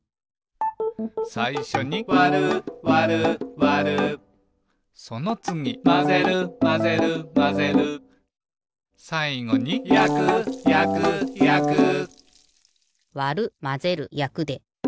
さいしょに「わるわるわる」そのつぎ「まぜるまぜるまぜる」さいごに「やくやくやく」わるまぜるやくで。